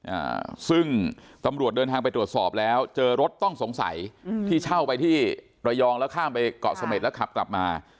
อ่าซึ่งตำรวจเดินทางไปตรวจสอบแล้วเจอรถต้องสงสัยอืมที่เช่าไปที่ระยองแล้วข้ามไปเกาะเสม็ดแล้วขับกลับมา